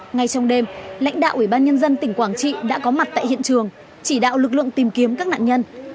ngay trong đêm lãnh đạo ủy ban nhân dân tỉnh quảng trị đã có mặt tại hiện trường chỉ đạo lực lượng tìm kiếm các nạn nhân